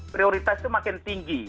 prioritas itu makin tinggi